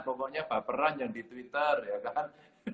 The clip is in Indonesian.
pokoknya baperan yang di twitter ya kan